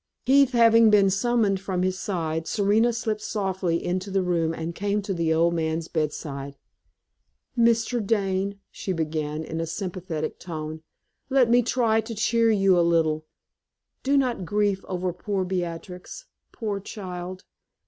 Keith having been summoned from his side, Serena slipped softly into the room, and came to the old man's bedside. "Mr. Dane," she began, in a sympathetic tone, "let me try to cheer you a little. Do not grieve over poor lost Beatrix, poor child.